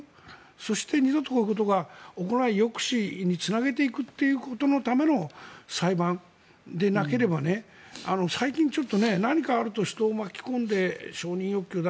そして２度とこういうことが起きないような抑止につなげていくような裁判でなければ最近ちょっと何かあると人を巻き込んで承認欲求だ